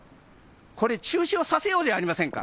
これ中止をさせようではありませんか。